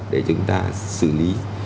để chúng ta xử lý